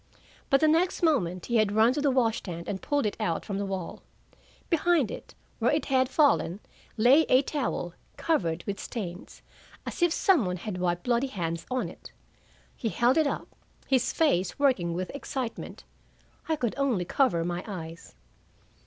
But the next moment he had run to the wash stand and pulled it out from the wall. Behind it, where it had fallen, lay a towel, covered with stains, as if some one had wiped bloody hands on it. He held it up, his face working with excitement. I could only cover my eyes.